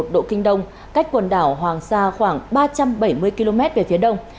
một trăm một mươi năm một độ kinh đông cách quần đảo hoàng sa khoảng ba trăm bảy mươi km về phía đông